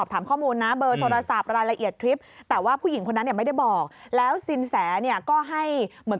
ทำให้มีโอกาสไปพบกับหญิงคนหนึ่งเป็นชาวฮ่องกงคนหนึ่ง